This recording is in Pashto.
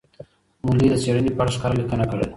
مولي د څېړني په اړه ښکاره لیکنه کړې ده.